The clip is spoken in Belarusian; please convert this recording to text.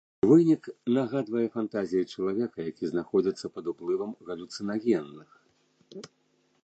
Вынік нагадвае фантазіі чалавека, які знаходзіцца пад уплывам галюцынагенных.